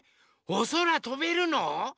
おそらとべるの？